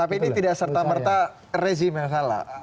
tapi ini tidak serta merta rezim yang salah